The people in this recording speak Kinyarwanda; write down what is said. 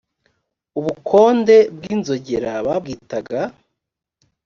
ubukonde bw inzogera babwitaga